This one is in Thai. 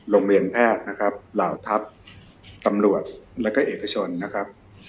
โรงเรียนแพทย์นะครับเหล่าทัพตำรวจแล้วก็เอกชนนะครับ